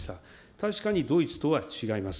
確かにドイツとは違います。